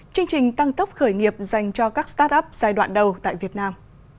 chương trình tăng tốc khởi nghiệp dành cho các start up giai đoạn đầu tại việt nam